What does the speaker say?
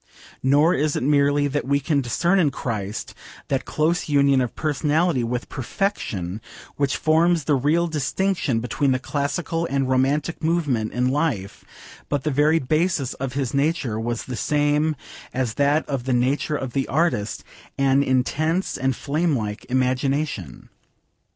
Nor is it merely that we can discern in Christ that close union of personality with perfection which forms the real distinction between the classical and romantic movement in life, but the very basis of his nature was the same as that of the nature of the artist an intense and flamelike imagination.